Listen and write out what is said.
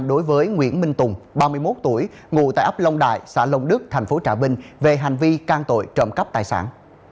đối với nguyễn minh tùng ba mươi một tuổi ngủ tại ấp long đại xã long đức tp trà vinh về hành vi can tội trộm cắp tài sản